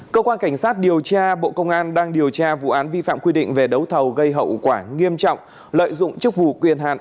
cơ quan cảnh sát điều tra bộ công an đang điều tra vụ án vi phạm quy định về đấu thầu gây hậu quả nghiêm trọng lợi dụng chức vụ quyền hạn